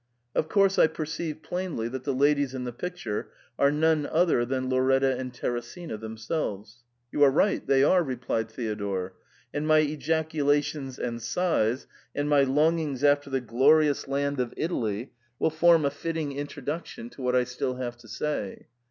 Of course I perceive plainly that the ladies in the pic ture are none other than Lauretta and Teresina them selves." You are right, they are," replied Theodore ;" and my ejaculations and sighs, and my longings after the glorious land of Italy, will form a fitting in troduction to what I still have to say.